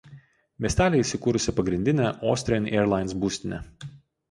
Miestelyje įsikūrusi pagrindinė Austrian Airlines būstinė.